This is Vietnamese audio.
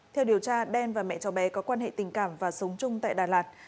theo điều tra đen và mẹ cháu bé có quan hệ tình cảm và sống chung tại đà lạt